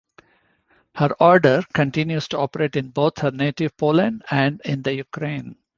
Her order continues to operate in both her native Poland and in the Ukraine.